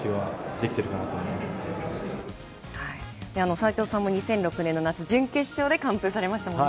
斎藤さんも２００６年の夏、準決勝で完封されましたね。